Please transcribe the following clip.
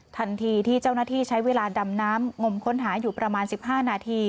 ทันทีที่เจ้าหน้าที่ใช้เวลาดำน้ำงมค้นหาอยู่ประมาณ๑๕นาที